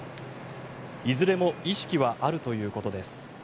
いずれも意識はあるということです。